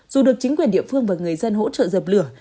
dù được chính quyền địa phương và người dân hỗ trợ dập lửa